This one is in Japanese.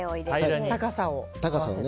高さをね。